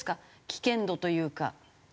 危険度というか。